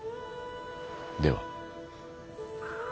では。